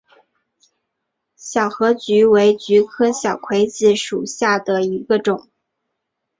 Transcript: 小油菊为菊科小葵子属下的一个种。